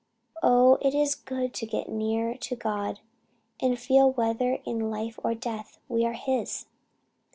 Oh it is good to get near to God, and feel whether in life or death, we are His.